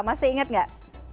masih ingat nggak